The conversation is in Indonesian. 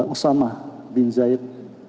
usamah bin zaid